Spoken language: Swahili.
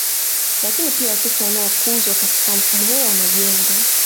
Lakini pia watoto wanaokuzwa katika mfumo huo wanajengwa